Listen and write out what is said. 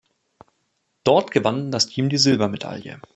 Dort gewann das Team die Silbermedaille.